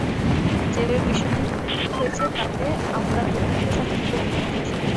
যেভাবে বিষয়টি ঠিক হয়েছে তাতে আমরা দুই পক্ষই স্বাচ্ছন্দ্য বোধ করছি।